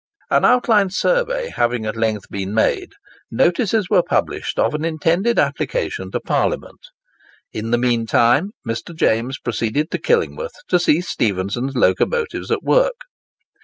An outline survey having at length been made, notices were published of an intended application to Parliament. In the mean time Mr. James proceeded to Killingworth to see Stephenson's locomotives at work.